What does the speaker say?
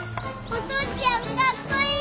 お父ちゃんかっこいい！